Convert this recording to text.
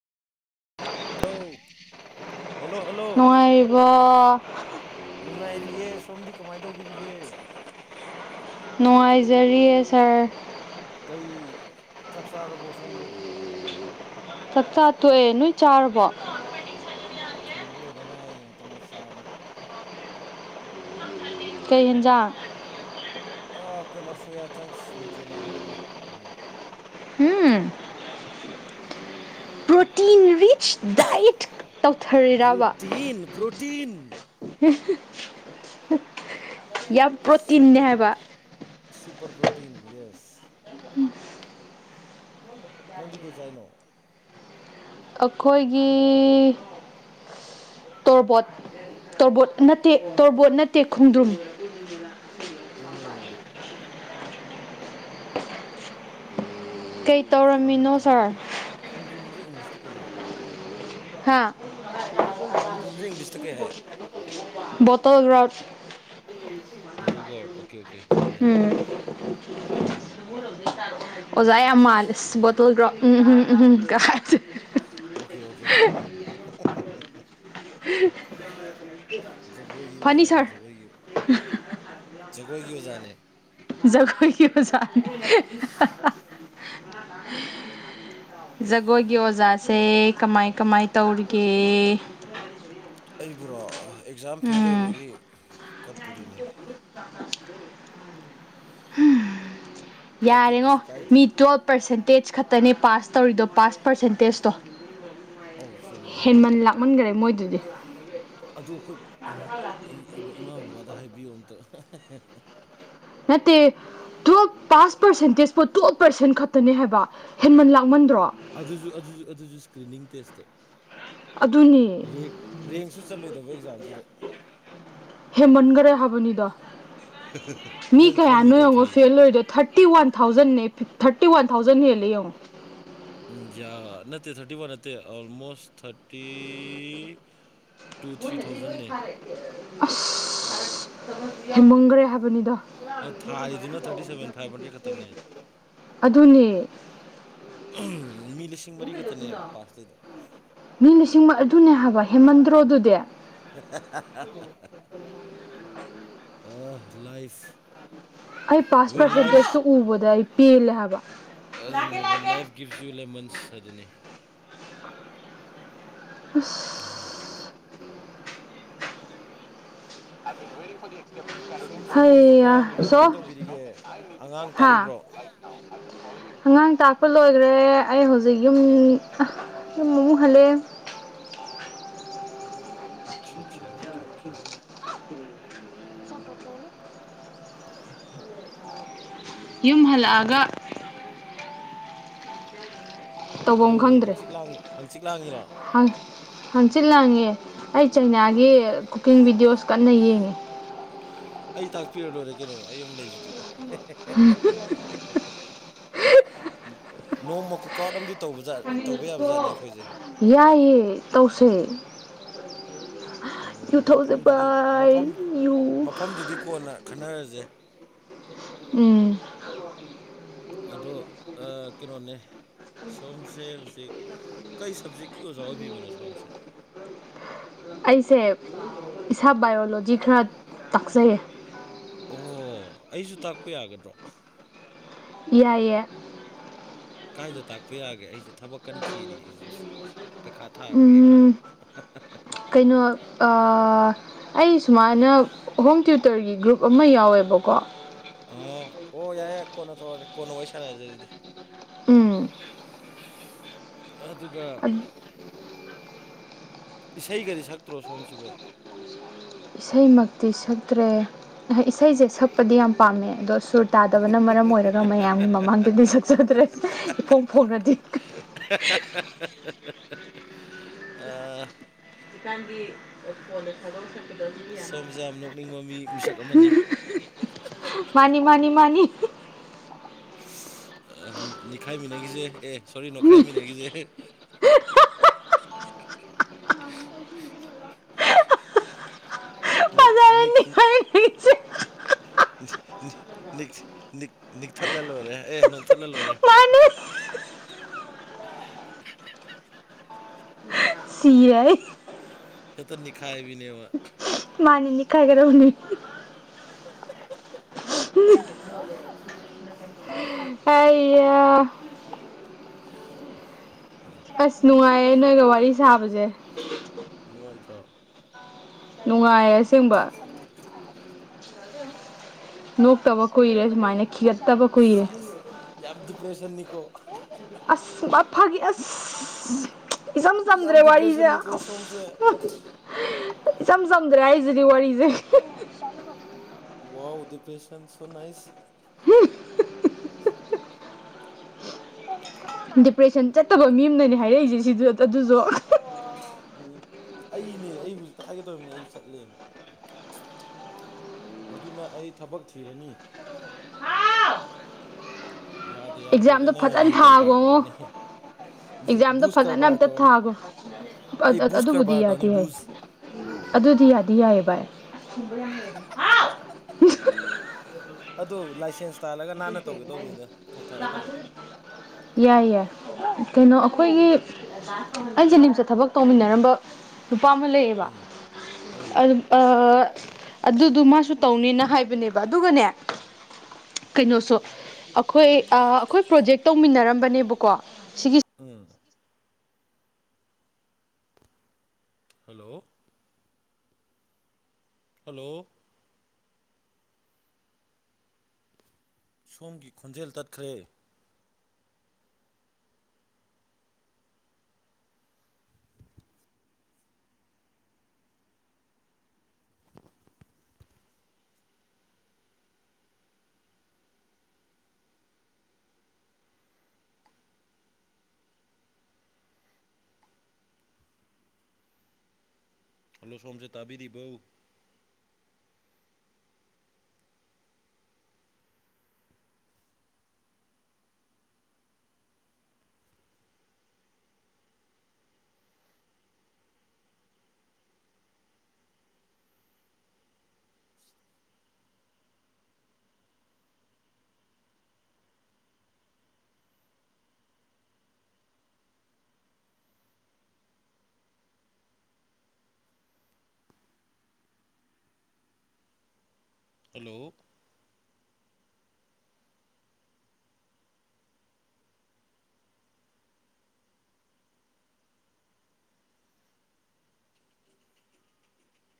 hello hello hello ꯋꯥ ꯅꯨꯡꯉꯥꯏꯔꯤꯌꯦꯦ ꯁꯣꯝꯗꯤ ꯀꯃꯥꯏꯅ ꯇꯧꯕꯤꯔꯤꯒꯦ ꯅꯨꯡꯉꯥꯏꯖꯔꯤꯌꯦ ꯁꯥꯔ ꯀꯩ ꯆꯥꯛ ꯆꯥꯔꯕꯣ ꯁꯣꯝꯕꯨ ꯆꯥꯛ ꯆꯥ ꯇꯣꯛꯑꯦ ꯅꯣꯏ ꯆꯥꯔꯕꯣ ꯑꯩ ꯊꯣꯡꯕ ꯂꯣꯏꯗꯉꯥꯏ ꯉꯥꯛꯇꯅꯦ ꯆꯥꯔꯅꯤ ꯀꯩ ꯍꯦꯟꯖꯥꯡ ꯀꯩꯅꯣ ꯁꯣꯌꯥ ꯆꯪꯁ ꯅ꯭ꯌꯨꯇ꯭ꯔꯦꯂꯥ ꯍꯥꯏꯒꯗ꯭ꯔꯥ ꯎꯝ ꯎꯝ ꯄ꯭ꯔꯣꯇꯤꯟ ꯔꯤꯆ ꯗꯥꯏꯌꯦꯠ ꯇꯧꯊꯔꯤꯔꯕ ꯄ꯭ꯔꯣꯇꯤꯟ ꯄ꯭ꯔꯣꯇꯤꯟ ꯌꯥꯝ ꯄ꯭ꯔꯣꯇꯤꯦ ꯁꯨꯄꯔ ꯍꯥꯏꯕ ꯄ꯭ꯔꯣꯇꯤꯟ ꯁꯨꯄꯔ ꯄ꯭ꯔꯣꯇꯤꯟ ꯌꯦꯁ ꯅꯪꯗꯤ ꯀꯩ ꯆ ꯍꯥꯏꯅꯣ ꯑꯩꯈꯣꯏꯒꯤ ꯇꯣꯔꯕꯣꯠ ꯇꯣꯔꯕꯣꯠ ꯅꯠꯇꯦ ꯇꯣꯔꯕꯣꯠ ꯅꯠꯇꯦ ꯈꯣꯡꯗ꯭ꯔꯨꯝ [inaudible] ꯑꯣ ꯀꯩ ꯇꯧꯔꯝꯃꯤꯅꯣ ꯈꯣꯡꯗ꯭ꯔꯨꯝ ꯁꯥꯔ ꯈꯣꯡꯗ꯭ꯔꯨꯝꯁꯦ ꯏꯪꯂꯤꯁꯇ ꯀꯩ ꯍꯥꯏ ꯍꯥꯥ ꯈꯣꯗ꯭ꯔꯨꯝꯁꯦ ꯏꯪꯂꯤꯁꯇ ꯀꯩ ꯍꯥꯏ ꯕꯣꯇꯜ ꯒ꯭ꯔꯥꯎꯠ ꯕꯣꯇꯜ ꯒ꯭ꯔꯥꯎꯗ ꯕꯣꯇꯜ ꯒꯣꯔꯠ ꯑꯣ ꯑꯣꯀꯦ ꯑꯣꯀꯦ ꯌꯥꯏ ꯎꯝ ꯑꯣꯖꯥ ꯌꯥꯝ ꯑꯣꯀꯦ ꯃꯥꯜꯂꯦ ꯏꯁ ꯕꯣꯇꯜ ꯒ꯭ꯔꯥꯎꯗ ꯎꯝ ꯎꯝ ꯎꯝ ꯀꯥ ꯍꯥꯏꯖꯦ ꯑꯣꯀꯦ ꯑꯣꯀꯦ ꯎꯝ [unintelligible] ꯖꯒꯣꯏꯒꯤ ꯐꯅꯤ ꯑꯣꯖꯥꯅꯦ ꯁꯥꯔ ꯖꯒꯣꯏꯒꯤ ꯖꯒꯣꯏꯒꯤ ꯑꯣꯖꯥꯅꯦ ꯖꯒꯣꯏꯒꯤ ꯑꯣꯖꯥꯅꯦ [unintelligible] ꯒꯣꯏꯒꯤ ꯑꯣꯖꯥ ꯁꯦ ꯀꯃꯥꯏ ꯀꯃꯥꯏ ꯇꯧꯔꯤꯒꯦ ꯑꯩꯕꯨꯔꯣ ꯑꯦꯛꯖꯥꯝ ꯐꯦꯜ ꯎꯝ ꯑꯣꯏꯕꯒꯤ ꯀꯞ ꯄꯨꯔꯤꯅꯦ ꯑꯗꯨ ꯌꯥꯔꯦꯉꯣ ꯀꯩꯁꯨ ꯀꯥꯏꯗꯦ ꯃꯤ ꯇꯨꯌꯦꯦꯜꯞ ꯄꯔꯁꯦꯟꯇꯦꯖ ꯈꯛꯇꯅꯦ ꯄꯥꯁ ꯇꯧꯔꯤꯗꯣ ꯄꯥꯁ ꯄꯔꯁꯦꯟꯇꯦꯖꯇꯣ ꯑꯧ ꯆꯨꯝꯃꯦ ꯍꯦꯟꯃꯟ ꯂꯥꯛꯃꯟꯈꯔꯦ ꯃꯣꯏꯗꯨꯗꯤ ꯑꯗꯣ ꯑꯩꯈꯣꯏ ꯏꯃꯥ ꯕꯕꯥꯗ ꯍꯥꯏꯕꯤꯌꯣ ꯑꯝꯇ ꯅꯠꯇꯦ ꯇꯨꯌꯦꯜꯞ ꯄꯥꯁ ꯄꯔꯁꯦꯟꯇꯦꯖꯄꯣ ꯇꯨꯌꯦꯜꯞ ꯄꯔꯁꯦꯟ ꯈꯛꯇꯅꯦ ꯍꯥꯏꯕ ꯍꯦꯟꯃꯟ ꯂꯥꯛꯃꯟꯗ꯭ꯔꯣ ꯑꯗꯨꯁꯨ ꯑꯗꯨꯁꯨ ꯑꯗꯨꯁꯨ ꯏꯁꯀ꯭ꯔꯤꯅꯤꯡ ꯇꯦꯁꯇ ꯑꯗꯨꯅꯤ ꯔꯦꯡ ꯔꯦꯡꯁꯨ ꯆꯜꯂꯣꯏꯗꯕ ꯑꯦꯛꯖꯥꯝꯗꯨꯗ ꯍꯦꯃꯟꯈꯔꯦ ꯍꯥꯏꯕꯅꯤꯗ [unintelligible] ꯃꯤ ꯅꯪ ꯀꯌꯥꯅꯣ ꯈꯪꯉꯤꯗꯣ ꯌꯦꯡꯉꯣ ꯐꯩ ꯐꯦꯜ ꯑꯣꯏꯔꯤꯗꯣ ꯊꯥꯔꯇꯤ ꯋꯥꯟ ꯊꯥꯎꯖꯟꯅꯦ ꯊꯥꯔꯇꯤ ꯋꯥꯟ ꯊꯥꯎꯖꯟ ꯍꯦꯜꯂꯦ ꯌꯦꯡꯉꯣ [unintelligible] ꯌꯥ ꯅꯠꯇꯦ ꯊꯥꯔꯇꯤ ꯋꯥꯟ ꯅꯠꯇꯦ ꯑꯣꯜꯃꯣꯁ ꯊꯥꯔꯇꯤ ꯇꯨ ꯊ꯭ꯔꯤ ꯊꯥꯎꯖꯟꯅꯦ ꯑꯁ ꯍꯦꯃꯪꯈ꯭ꯔꯦ ꯍꯥꯏꯕꯅꯤꯗ ꯊꯥꯔꯤꯗꯨꯅ ꯊꯥꯔꯇꯤ ꯁꯚꯦꯟ ꯐꯥꯏꯚ ꯍꯟꯗ꯭ꯔꯦꯗ ꯈꯛꯇꯪꯅꯦ [inaudible] ꯑꯗꯨꯅꯦ ꯃꯤ ꯂꯤꯁꯤꯡ ꯃꯔꯤ ꯈꯛꯇꯅꯦ ꯄꯥꯁ ꯇꯩꯩꯗꯣ ꯃꯤ ꯂꯤꯁꯤꯡ ꯑꯗꯨꯅꯦ ꯍꯥꯏꯕ ꯍꯦꯃꯟꯗ꯭ꯔꯣꯗꯨꯗꯤ [unintelligible] ꯑ ꯂꯥꯏꯐ ꯑꯩ ꯄꯥꯁ ꯋꯦꯟ ꯄꯥꯔꯁꯦꯟꯇꯦꯖꯇꯣ ꯂꯥꯏꯐ ꯎꯕꯗ ꯑꯩ ꯄꯦꯜꯂꯦ ꯍꯥꯏꯕ ꯂꯥꯛꯀꯦ ꯂꯥꯛꯀꯦ ꯒꯤꯐꯁꯌꯨ ꯂꯦꯃꯟꯁ ꯑꯗꯨꯅꯤ ꯑꯁ [inaudible] ꯁꯣꯝꯁꯤꯕꯨ ꯍꯧꯖꯤꯛꯀꯥꯟ ꯀꯃꯥꯏꯅ ꯇꯧꯕꯤꯔꯤꯒꯦ ꯑꯉꯥꯡ ꯍꯥ ꯇꯥꯛꯏꯕ꯭ꯔꯣ ꯑꯉꯥꯡ ꯇꯥꯛꯄ ꯂꯣꯏꯈ꯭ꯔꯦ ꯑꯩ ꯍꯧꯖꯤ ꯖꯤꯛ ꯌꯨꯝ ꯌꯨꯝ ꯑꯃꯨꯛ ꯍꯜꯂꯦ ꯑꯆꯥꯆꯥ ꯑꯣꯀꯦ ꯑꯣꯀꯦ ꯌꯨꯝ ꯍꯜꯂꯛꯑꯒ ꯇꯧꯐꯝ ꯀꯩꯗꯧꯔꯤ ꯍꯪꯆꯤꯛ ꯂꯥꯡ ꯍꯥꯡꯆꯤꯛ ꯂꯥꯡꯉꯤꯔꯣ ꯍꯪ ꯍꯪꯆꯤꯠ ꯂꯥꯡꯉꯦ ꯑꯩ ꯆꯩꯅꯥꯒꯤ ꯀꯨꯀꯤꯡ ꯕꯤꯗꯤꯑꯣꯁ ꯀꯟꯅ ꯌꯦꯡꯉꯤ ꯑꯩ ꯇꯥꯛꯄꯤꯔ ꯂꯣꯏꯔꯦ ꯀꯩꯅꯣ ꯑꯩ ꯑꯃ ꯂꯩꯁꯤꯗꯤ [unintelligible] ꯅꯣꯡꯃ ꯀꯨꯛꯑꯥꯎꯠ ꯑꯃꯗꯤ ꯇꯧꯕꯖ ꯇꯧꯕ ꯌꯥꯕ ꯖꯥꯠꯅꯦ ꯑꯩꯈꯣꯏꯁꯦ ꯌꯥꯏꯌꯦ ꯇꯧꯁꯦ ꯌꯨ ꯎꯝ ꯊꯛꯎꯁꯦ ꯃꯐꯝꯗꯨꯗꯤ ꯕꯥꯏ ꯃꯐꯝ ꯌꯨ ꯃꯐꯝꯗꯨꯗꯤ ꯀꯣꯟꯅ ꯈꯟꯅꯔꯁꯦ ꯎꯝ ꯑꯗꯣ ꯑ ꯀꯩꯅꯣꯅꯦ ꯁꯣꯝꯁꯦ ꯍꯧꯖꯤꯛ ꯀꯩ ꯁꯕꯖꯦꯛꯀꯤ ꯑꯣꯖꯥ ꯑꯣꯏꯕꯤꯕꯅꯣ ꯁꯣꯝꯁꯦ ꯑꯩꯁꯦ ꯏꯁꯥ ꯕꯥꯏꯑꯣꯂꯣꯖꯤ ꯈꯔ ꯇꯥꯛꯆꯩꯌꯦ ꯑꯣ ꯑꯩꯁꯨ ꯇꯥꯛꯄ ꯌꯥꯒꯗ꯭ꯔꯣ ꯌꯥꯏꯌꯦ ꯀꯥꯏꯗ ꯇꯥꯛꯄ ꯌꯥꯒꯦ ꯑꯩꯁꯦ ꯊꯕꯛ ꯀꯟꯅ ꯊꯤꯔꯤ ꯍꯧꯖꯤꯛꯁꯦ ꯑꯁ ꯄꯩꯈꯥ ꯊꯥꯔꯔꯣꯏꯒꯦ ꯎꯝ ꯈꯟꯕ [unintelligible] ꯀꯩꯅꯣ ꯑꯥ ꯑꯩ ꯁꯨꯃꯥꯏꯅ ꯍꯣꯝ ꯇ꯭ꯌꯨꯇꯔꯒꯤ ꯒ꯭ꯔꯨꯞ ꯑꯃ ꯌꯥꯎꯋꯦꯕꯀꯣ ꯑꯥ ꯑꯣ ꯌꯥꯏ ꯌꯥꯏ ꯀꯣꯟꯅ ꯇꯧꯔꯁꯦ ꯀꯣꯟꯅ ꯋꯥꯔꯤ ꯁꯥꯟꯅꯁꯦ ꯑꯗꯨꯗꯤ ꯎꯝ ꯑꯗꯨꯒ ꯏꯁꯩꯒꯗꯤ ꯁꯛꯇ꯭ꯔꯣ ꯁꯣꯝꯁꯤꯕꯨ ꯏꯁꯩꯃꯛꯇꯤ ꯁꯛꯇ꯭ꯔꯦ ꯏꯁꯩꯁꯦ ꯁꯛꯄꯗꯤ ꯌꯥꯝ ꯄꯥꯝꯃꯦ ꯑꯗꯣ ꯁꯨꯔ ꯇꯥꯗꯕꯅ ꯃꯔꯝ ꯑꯣꯏꯔꯒ ꯃꯌꯥꯝꯒꯤ ꯃꯃꯥꯡꯗꯗꯤ ꯁꯛꯆꯗ꯭ꯔꯦ ꯏꯐꯣꯡ ꯐꯣꯡꯅꯗꯤ [unintelligible] ꯑ ꯖꯤꯀꯥꯟꯒꯤ ꯁꯣꯝꯁꯦ ꯌꯥꯝ ꯅꯣꯛꯅꯤꯡꯕ ꯃꯤ ꯃꯤꯁꯛ ꯑꯃꯅꯤ [unintelligible] ꯃꯥꯅꯤ ꯃꯥꯅꯤ ꯃꯥꯅꯤ ꯑ ꯅꯤꯈꯥꯏꯃꯤꯟꯅꯈꯤꯁꯦ ꯑꯦ ꯁꯣꯔꯤ ꯅꯣꯈꯥꯏꯃꯤꯟꯅꯈꯤꯁꯦ ꯅꯣꯛ ꯅꯤꯛ ꯐꯖꯔꯅꯤ ꯍꯥꯏꯔꯤꯁꯦ [unintelligible] ꯅꯤꯛ ꯅꯤꯛ ꯅꯤꯛꯊꯠꯂ ꯂꯣꯏꯔꯦ ꯑꯦ ꯅꯣꯛꯊꯠꯂ ꯂꯣꯏꯔꯦ ꯃꯥꯅꯤ [unintelligible] ꯍꯦꯛꯇ ꯅꯤꯈꯥꯏꯕꯤꯅꯦꯕ ꯃꯥꯅꯤ ꯅꯤꯛꯈꯥꯏꯒꯔꯕꯅꯤ [unintelligible] ꯑꯩ ꯑꯥ ꯑꯁ ꯅꯨꯡꯉꯥꯏꯌꯦ ꯅꯣꯏꯒ ꯋꯥꯔꯤ ꯁꯥꯕꯁꯦ ꯅꯨꯡꯉꯥꯏꯇ꯭ꯔꯣ ꯅꯨꯡꯉꯥꯏ ꯑꯁꯦꯡꯕ ꯅꯣꯛꯇꯕ ꯀꯨꯏꯔꯦ ꯁꯨꯃꯥꯏꯅ ꯈꯤꯒꯠꯇꯕ ꯀꯨꯏꯔꯦ ꯑꯁ ꯌꯥꯝ ꯗꯤꯄ꯭ꯔꯦꯁꯟꯅꯤꯀꯣ ꯕꯥꯛ ꯐꯥꯒꯤ ꯑꯁ ꯏꯆꯝ ꯌꯥꯝ ꯆꯝꯗ꯭ꯔꯦ ꯋꯥꯔꯤꯁꯦ ꯗꯤꯄ꯭ꯔꯦꯁꯟꯅꯤꯀꯣ ꯁꯣꯝꯁꯦ ꯑꯁ ꯏꯆꯝ ꯆꯝꯗ꯭ꯔꯦ ꯑꯩꯁꯤꯗꯤ ꯋꯥꯔꯤꯁꯦ [unintelligible] ꯋꯥꯎ ꯗꯤꯄ꯭ꯔꯦꯁꯟ ꯁꯣ ꯅꯥꯥꯏꯁ ꯗꯤꯄ꯭ꯔꯦꯁꯟ ꯆꯠꯇꯕ ꯃꯤ ꯑꯝꯅꯅꯦ ꯍꯥꯏꯔꯛꯏꯁꯦ ꯁꯤꯁꯨ ꯑꯗꯨꯁꯨ [unintelligible] ꯎꯝ ꯑꯩꯅꯦ ꯑꯩ ꯍꯧꯖꯤꯛ ꯊꯥꯒꯦ ꯇꯧꯔꯝꯃꯤꯅꯦ ꯑꯩꯁꯨ ꯆꯠꯂꯦꯅ ꯃꯗꯨꯅ ꯑꯩ ꯊꯕꯛ ꯊꯤꯔꯅꯤ ꯌꯥꯗ ꯑꯦꯛꯖꯥꯝꯗꯣ ꯌꯥꯗ꯭ꯔꯒꯅ ꯐꯖꯅ ꯌꯨ ꯀꯔꯕꯥꯔ ꯊꯥꯒꯣꯑꯣ ꯇꯧꯔꯅꯤ ꯑꯦꯛꯖꯥꯝꯗꯣ ꯕꯨꯁ ꯐꯖꯅ ꯀꯔꯕꯥꯔ ꯑꯝꯇ ꯇꯧꯔꯅꯤ ꯊꯥꯈꯣ ꯑ ꯑꯩ ꯑ ꯕꯨꯁ ꯑꯗꯨꯕꯨꯗꯤ ꯀꯔꯕꯥꯔ ꯇꯧꯔꯅꯤ ꯌꯥꯗꯤ ꯌꯥꯏ ꯕꯨꯁ ꯑꯗꯨꯗꯤ ꯌꯥꯗꯤ ꯌꯥꯏꯌꯦ ꯚꯥꯏ [unintelligible] ꯍꯥꯎ [inaudible] ꯑꯗꯣ ꯂꯥꯏꯁꯦꯟꯁ ꯇꯥꯜꯂꯒ ꯅꯥꯟꯅ ꯇꯧꯒꯦ ꯇꯧꯕꯅꯤꯗ ꯊꯣꯛꯊꯥꯛ ꯅꯠꯇꯕ ꯌꯥꯏ ꯌꯥꯏ ꯀꯩꯅꯣ ꯑꯩꯈꯣꯏꯒꯤ ꯑꯩ ꯖꯦꯅꯤꯝꯁꯇ ꯊꯕꯛ ꯇꯧꯃꯤꯟꯅꯔꯝꯕ ꯅꯨꯄꯥ ꯑꯃ ꯂꯩꯌꯦꯕ ꯎꯝ ꯑꯗꯨ ꯑꯗꯨꯗꯨꯣ ꯃꯥꯁꯨ ꯇꯧꯅꯤꯅ ꯍꯥꯏꯕꯅꯦꯕ ꯑꯗꯨꯒꯅꯦ ꯀꯩꯅꯣꯁꯨ ꯑꯩꯈꯣꯏ ꯑꯩꯈꯣꯏ ꯄ꯭ꯔꯣꯖꯦꯛ ꯇꯧꯃꯤꯟꯅꯔꯝꯕꯅꯦꯕꯀꯣ ꯁꯤꯒꯤ ꯎꯝ ꯍꯜꯂꯣ ꯍꯜꯂꯣ ꯁꯣꯝꯒꯤ ꯈꯣꯟꯖꯦꯜ ꯇꯠꯈ꯭ꯔꯦ ꯍꯜꯂꯣ ꯁꯣꯝꯁꯦ ꯇꯥꯕꯤꯔꯤꯕꯣ ꯍꯂꯣ